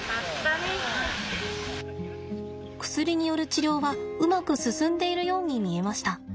薬による治療はうまく進んでいるように見えました。